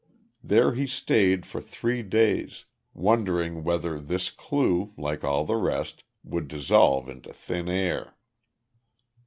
There he stayed for three days, wondering whether this clue, like all the rest, would dissolve into thin air.